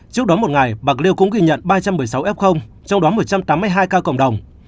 trước đó một ngày bạc liêu cũng ghi nhận ba trăm một mươi sáu f trong đó một trăm tám mươi hai ca cộng đồng